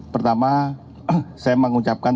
pertama saya mengucapkan